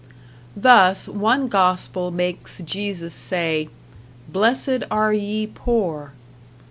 Thus, one gospel makes Jesus say: "Blessed are ye poor."